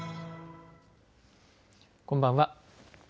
こんばんは。